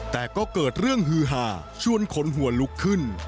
เด็กว่าเกิดเรื่องฮือหาช่วงคนหัวลุกขึ้น